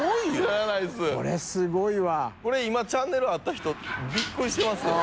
これ今チャンネル合った人びっくりしてますよ。